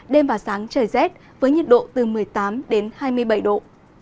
đêm và sáng trời rét với nhiệt độ từ một mươi tám đến hai mươi bảy độ